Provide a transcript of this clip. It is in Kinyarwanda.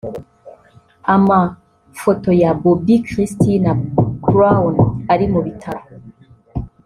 Amafoto ya Bobbi Kristina Brown ari mu bitaro